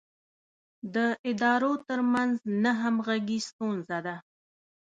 د ادارو ترمنځ نه همغږي ستونزه ده.